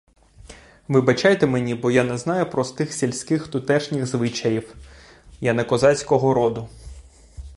Вибачайте мені, бо я не знаю простих сільських тутешніх звичаїв: я не козацького роду.